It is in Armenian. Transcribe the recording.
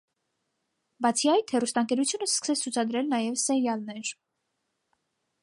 Բացի այդ, հեռուստաընկերությունը սկսեց ցուցադրել նաև սերիալներ։